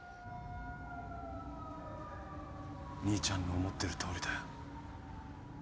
兄ちゃんの思ってるとおりだ。